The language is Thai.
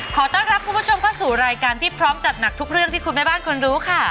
ขอต้อนรับคุณผู้ชมเข้าสู่รายการที่พร้อมจัดหนักทุกเรื่องที่คุณแม่บ้านควรรู้ค่ะ